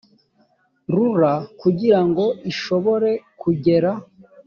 rura kugira ngo ishobore kugera